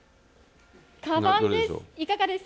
かばんです。